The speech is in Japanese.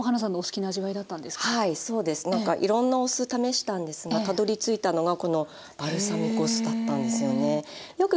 なんかいろんなお酢試したんですがたどりついたのがこのバルサミコ酢だったんですよね。